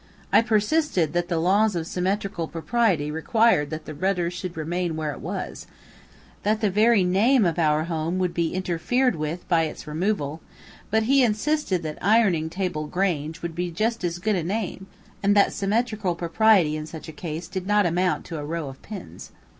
I persisted that the laws of symmetrical propriety required that the rudder should remain where it was that the very name of our home would be interfered with by its removal, but he insisted that "Ironing table Grange" would be just as good a name, and that symmetrical propriety in such a case did not amount to a row of pins.